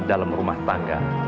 dalam rumah tangga